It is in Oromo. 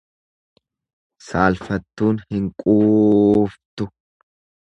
Saalfattuun hin quuuftu.